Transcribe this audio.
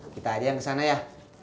kita aja yang kesana ya